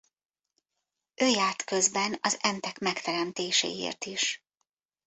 Ő járt közben az entek megteremtéséért is.